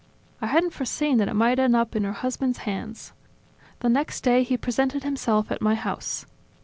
I hadn't foreseen that it might end up in her husband's hands. The next day he presented himself at my house.